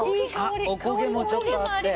お焦げもちょっとあって・